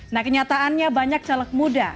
nah kenyataannya banyak caleg muda